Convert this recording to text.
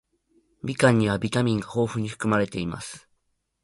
みかんにはビタミンが豊富に含まれています。